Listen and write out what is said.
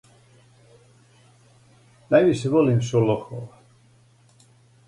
Највише волим Шолохова.